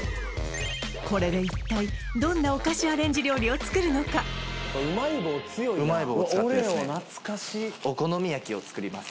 これで一体どんなお菓子アレンジ料理を作るのか？を作ります